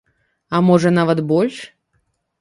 А можа, нават больш.